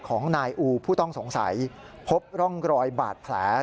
ของนายอูผู้ต้องสงสัยพบร่องรอยบาดแผล